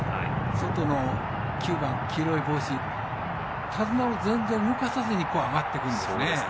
外の９番、黄色い帽子手綱を全然動かさずに上がっていくんですね。